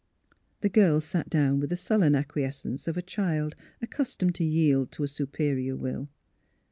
The girl sat down with the sullen acquiescence of a child accustomed to yield to a superior will.